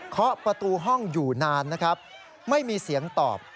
เคาะประตูห้องอยู่นานนะครับไม่มีเสียงตอบ